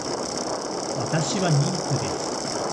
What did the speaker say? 私は妊婦です